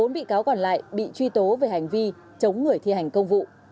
bốn bị cáo còn lại bị truy tố về hành vi chống người thi hành công vụ